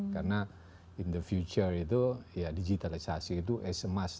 karena in the future itu ya digitalisasi itu as a must